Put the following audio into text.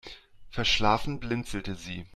Verschlafen blinzelte sie.